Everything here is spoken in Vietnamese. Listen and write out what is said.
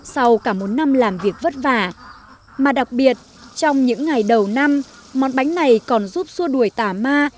sau cả một năm làm việc vất vả mà đặc biệt trong những ngày đầu năm món bánh này còn giúp xua đuổi tả ma